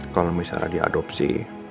kalau misalnya dia adopsi